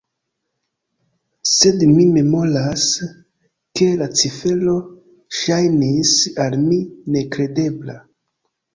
Sed mi memoras, ke la cifero ŝajnis al mi nekredebla.